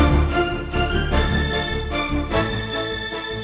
gak ada cinta